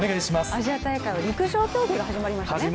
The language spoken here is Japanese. アジア大会は陸上競技が始まりましたね。